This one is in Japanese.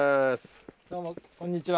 どうもこんにちは。